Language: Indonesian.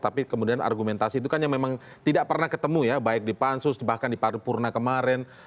tapi kemudian argumentasi itu kan yang memang tidak pernah ketemu ya baik di pansus bahkan di paripurna kemarin